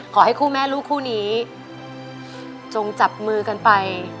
ขอให้คู่แม่ลูกคู่นี้จงจับมือกันไป